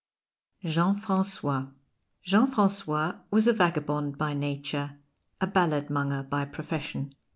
JEAN FRANCOIS Jean Francois was a vagabond by nature, a balladmonger by profession.